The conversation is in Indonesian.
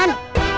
man bentar man